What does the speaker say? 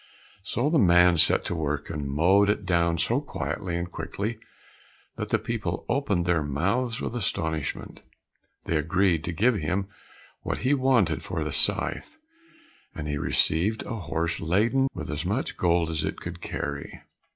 So the man set to work and mowed it down so quietly and quickly that the people opened their mouths with astonishment. They agreed to give him what he wanted for the scythe, and he received a horse laden with as much gold as it could carry.